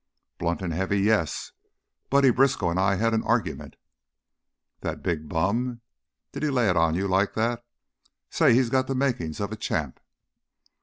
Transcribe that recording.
"Blunt and heavy, yes. Buddy Briskow and I had an argument " "That big bum? Did he lay it on you like that? Say, he's got the makings of a champ!"